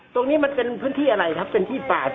ตรงนี้มันเป็นพื้นที่อะไรครับเป็นที่ป่า